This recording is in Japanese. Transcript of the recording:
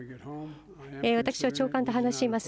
私は長官と話しています。